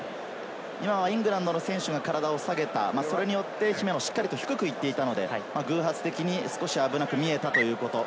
イングランドの選手が体を下げた姫野がしっかり体を低く行っていたので、偶発的に少し危なく見えたということ。